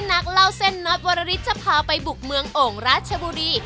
นักเล่าเส้นน็อตวรริสจะพาไปบุกเมืองโอ่งราชบุรี